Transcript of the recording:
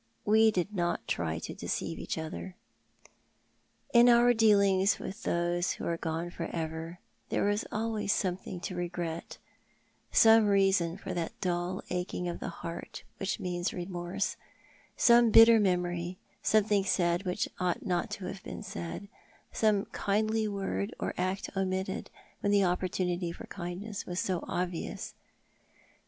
We did not try to deceive each other." In our dealings with those who are gone for ever there is always something to regret — some reason for that dull aching of the heart which means remorse — some bitter memory, some thing said which ought not to have been said — some kindly word or act omitted when the opportunity for kindness was so obvious.